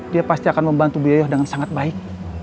dia pasti akan membantu bu yoyo dengan sangat baik